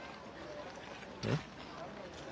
えっ？